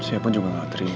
siapun juga gak terima